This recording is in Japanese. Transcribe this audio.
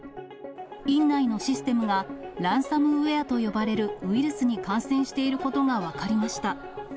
院内のシステムが、ランサムウエアと呼ばれるウイルスに感染していることが分かりました。